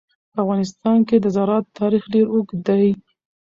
په افغانستان کې د زراعت تاریخ ډېر اوږد دی.